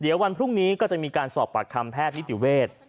เดี๋ยววันพรุ่งนี้ก็จะมีการสอบปากคำแพทย์นิติเวทย์